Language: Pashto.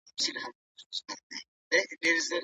انسان د مرستې اړتيا لري.